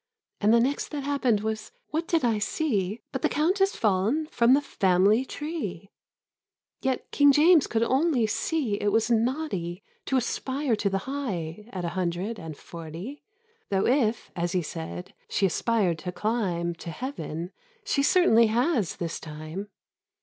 And the next that happened was — what did I see But the Countess fall'n from the family tree ! Yet King James could only see it was naughty To aspire to the high at a hundred and forty, " Though if (as he said) she aspired to climb To Heaven — she certainly has, this time